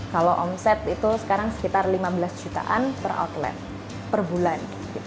kalau omset itu sekarang sekitar lima belas jutaan per outlet per bulan